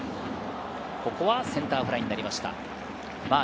ここはセンターフライになりました。